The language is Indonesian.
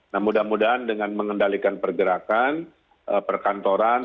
nah mudah mudahan dengan mengendalikan pergerakan perkantoran